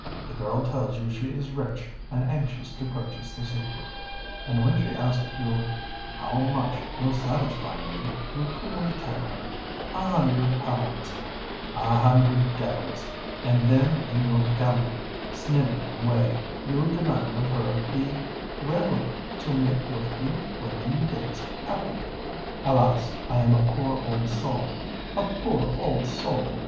The girl tells you she is rich and anxious to purchase the secret; and when she asks you how much will satisfy me, you coolly tell her, 'A hundred pounds!'—A hundred devils! And then, in your gammoning, snivelling way, you demand of her the 'wherewith to make your few remaining days happy!'" "Alas! I am a poor old soul—a poor old soul!"